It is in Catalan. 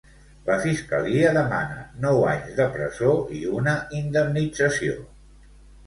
La fiscalia demana nou anys de presó i una indemnització.